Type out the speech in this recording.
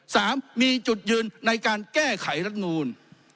สามมีจุดยืนในการแก้ไขรัฐมนูล